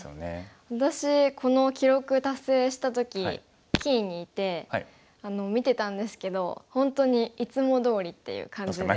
私この記録達成した時棋院にいて見てたんですけど本当にいつもどおりっていう感じで。